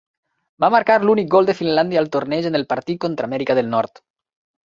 Va marcar l'únic gol de Finlàndia al torneig en el partit contra Amèrica del Nord.